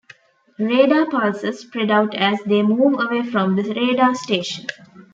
Radar pulses spread out as they move away from the radar station.